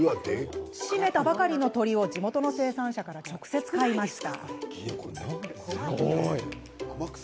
絞めたばかりの鶏を地元の生産者から直接、買いました。